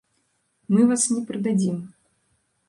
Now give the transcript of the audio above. Мы вас ні прыдадзім.